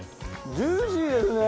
ジューシーですね。